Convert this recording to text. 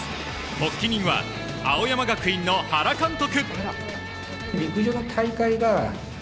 発起人は青山学院の原監督。